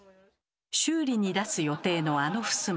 修理に出す予定のあのふすま。